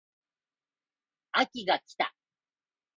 秋が来た